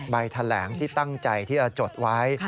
แถลงที่ตั้งใจที่จะจดไว้